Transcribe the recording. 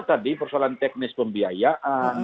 tadi persoalan teknis pembiayaan